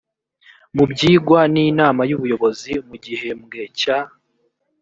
mu byigwa n inama y ubuyobozi mu gihembwe cya